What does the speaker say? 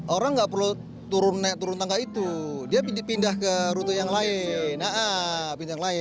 orang nggak perlu turun naik turun tangga itu dia dipindah ke rute yang lain yang lain